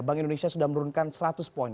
bank indonesia sudah menurunkan seratus poin